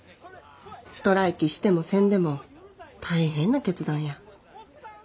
ストライキしてもせんでも大変な決断や。